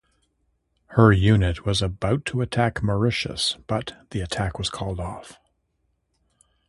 Her unit was about to invade Mauritius, but the attack was called off.